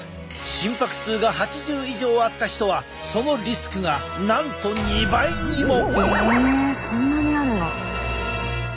心拍数が８０以上あった人はそのリスクがなんと２倍にも！